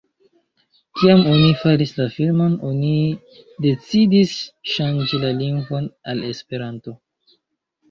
Kiam oni faris la filmon, oni decidis ŝanĝi la lingvon al Esperanto.